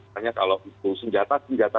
tanya kalau itu senjata tanya siapa